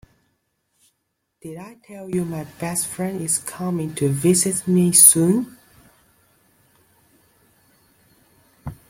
Did I tell you my best friend is coming to visit me soon?